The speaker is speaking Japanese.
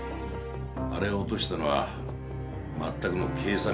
あれを落としたのは全くの計算外だ。